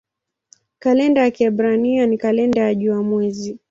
Kalenda ya Kiebrania ni kalenda jua-mwezi.